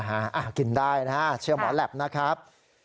กินได้นะฮะเชื่อหมอแหลปนะครับ